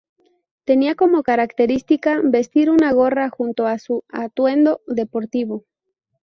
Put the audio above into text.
Tenía como característica vestir una gorra junto a su atuendo deportivo.